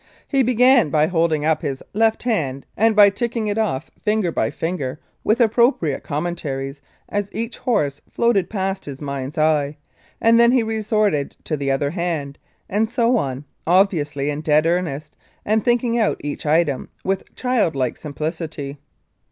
He began by holding up his left hand and by ticking it off finger by finger with appropriate commentaries as each horse floated past his mind's eye, then he resorted to the other hand, and so on, obviously in dead earnest, and thinking out each item with childlike simplicity.